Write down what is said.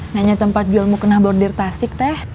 nanya tempat jual mau kena bordir tasik teh